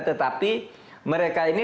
tetapi mereka ini